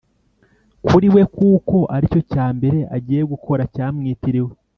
kuri we kuko aricyo cya mbere agiye gukora cyamwitiriwe.